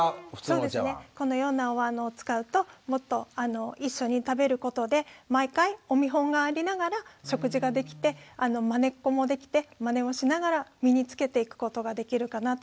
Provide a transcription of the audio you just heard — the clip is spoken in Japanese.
このようなおわんを使うともっと一緒に食べることで毎回お見本がありながら食事ができてまねっこもできてまねをしながら身につけていくことができるかなというふうに思います。